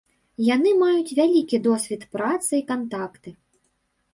Яны маюць вялікі досвед працы і кантакты.